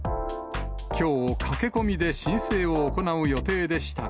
きょう、駆け込みで申請を行う予定でしたが。